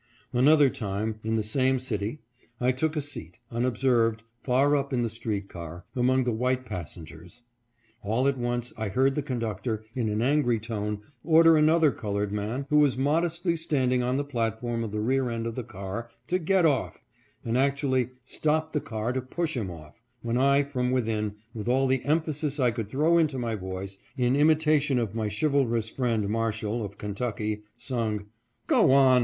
Another time, in the same city, I took a seat, unob served, far up in the street car, among the white passen gers. All at once I heard the conductor, in an angry tone, order another colored man, who was modestly stand ing on the platform of the rear end of the car, to get off, and actually stopped the car to push him off, when I, from within, with all the emphasis I could throw into my voice, in imitation of my chivalrous friend Marshall, of Kentucky, sung out, " Go on